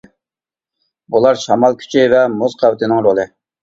بۇلار شامال كۈچى ۋە مۇز قەۋىتىنىڭ رولى.